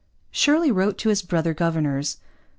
Shirley wrote to his brother governors.